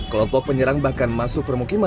kelompok penyerang bahkan masuk permukiman